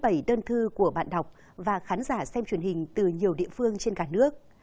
bày đơn thư của bạn đọc và khán giả xem truyền hình từ nhiều địa phương trên cả nước